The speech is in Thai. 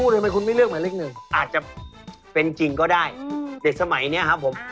เด็กสมัยนี้ครับผม